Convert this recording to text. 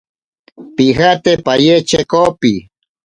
Pijate paye chekopi.